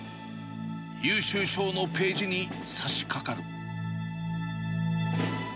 優秀賞のページにさしかかる。